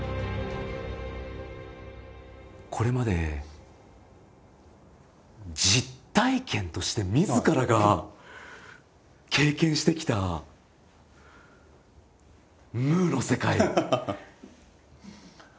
これまで実体験としてみずからが経験してきた「ムー」の世界聞かせていただけますか？